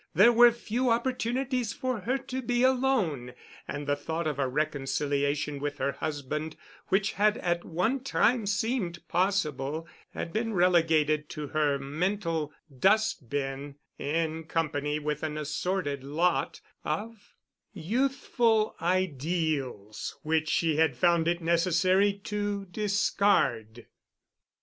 There were few opportunities for her to be alone, and the thought of a reconciliation with her husband, which had at one time seemed possible, had been relegated to her mental dust bin in company with an assorted lot of youthful ideals which she had found it necessary to discard.